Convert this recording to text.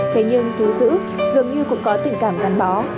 thế nhưng thú dữ dường như cũng có tình cảm gắn bó